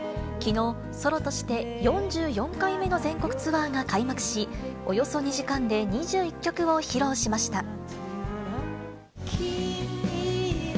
きのう、ソロとして４４回目の全国ツアーが開幕し、およそ２時間で２１曲を披露しました。